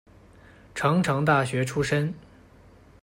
成城大学出身。